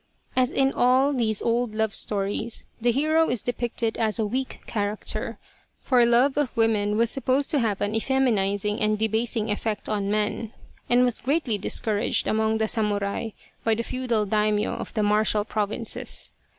As in all these old love stories the hero is depicted as a weak character, for love of women was supposed to have an effeminiz ing and debasing effect on men and was greatly discouraged 135 among the samurai by the feudal Daimyo of the martial pro vinces.